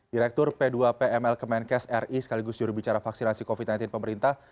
direktur p dua p ml kemenkes ri sekaligus juru bicara vaksinasi covid sembilan belas pemerintah